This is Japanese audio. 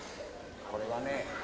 これはね